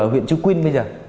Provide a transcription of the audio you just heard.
huyện trúc quyên bây giờ